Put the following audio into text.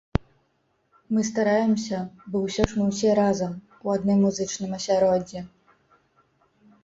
Мы стараемся, бо ўсё ж мы ўсе разам, у адным музычным асяроддзі.